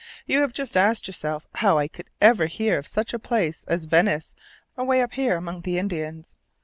You have just asked yourself how I could ever hear of such a place as Venice away up here among the Indians.